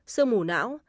sư mù não